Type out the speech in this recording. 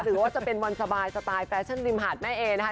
หรือว่าจะเป็นวันสบายสไตล์แฟชั่นริมหาดแม่เอนะคะ